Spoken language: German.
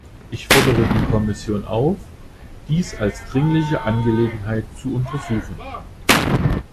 Ich fordere die Kommission auf, dies als dringliche Angelegenheit zu untersuchen.